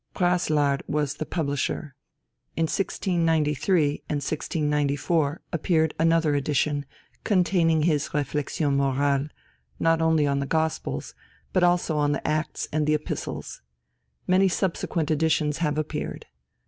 Praslard was the publisher. In 1693 and 1694 appeared another edition, containing his réflexions morales, not only on the Gospels, but also on the Acts and the Epistles. Many subsequent editions have appeared.